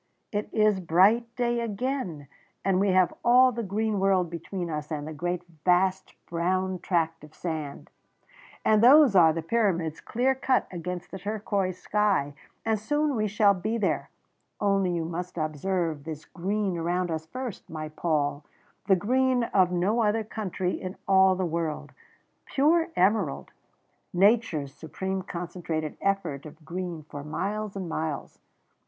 it is bright day again, and we have all the green world between us and the great vast brown tract of sand. And those are the Pyramids clear cut against the turquoise sky, and soon we shall be there, only you must observe this green around us first, my Paul the green of no other country in all the world pure emerald nature's supreme concentrated effort of green for miles and miles.